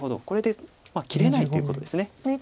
これで切れないっていうことです。